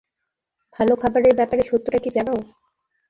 ভালো খাবারের ব্যাপারে সত্যটা কি জানো?